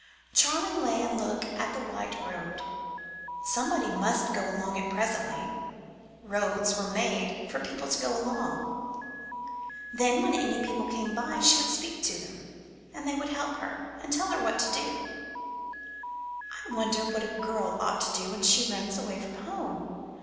Charling lay and looked at the white road. Somebody must go along it presently. Roads were made for people to go along. Then when any people came by she would speak to them, and they would help her and tell her what to do. "I wonder what a girl ought to do when she runs away from home?"